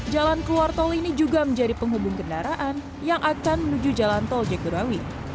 jalan keluar tol ini juga menjadi penghubung kendaraan yang akan menuju jalan tol jagorawi